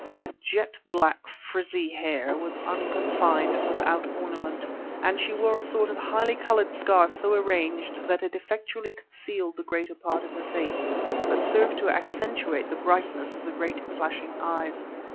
Her jet black, frizzy hair was unconfined and without ornament, and she wore a sort of highly colored scarf so arranged that it effectually concealed the greater part of her face, but served to accentuated the brightness of the great flashing eyes.